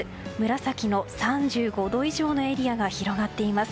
紫の３５度以上のエリアが広がっています。